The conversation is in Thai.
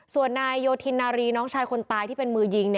ส่วนนายโยธินนารีน้องชายคนตายที่เป็นมือยิง